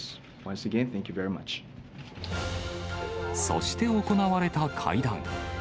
そして行われた会談。